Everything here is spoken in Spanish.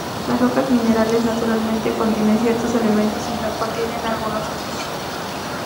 Las rocas minerales naturalmente contienen ciertos elementos y no contienen algunos otros.